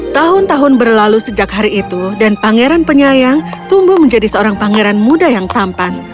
tahun tahun berlalu sejak hari itu dan pangeran penyayang tumbuh menjadi seorang pangeran muda yang tampan